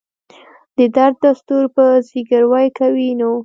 د درد دستور به زګیروی کوي نو.